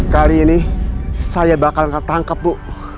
kali ini saya bakal ketangkep bu